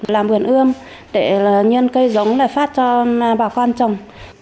làm huyền ươm để nhân cây giống là phát cho bảo quan trọng